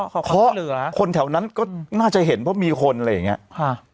เขาเคาะเหลือคนแถวนั้นก็น่าจะเห็นเพราะมีคนอะไรอย่างเงี้ยค่ะ